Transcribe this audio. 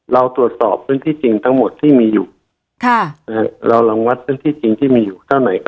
เราตรวจสอบพื้นที่จริงทั้งหมดที่มีอยู่เราลองวัดพื้นที่จริงที่มีอยู่เท่าไหร่